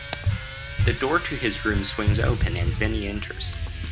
The door to his room swings open, and Vinnie enters.